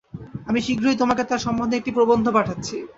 আমি শীঘ্রই তোমাকে তাঁর সম্বন্ধে একটি প্রবন্ধ পাঠাচ্ছি।